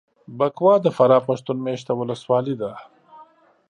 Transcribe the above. بکوا دفراه پښتون مېشته ولسوالي ده